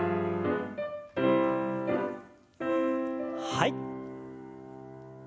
はい。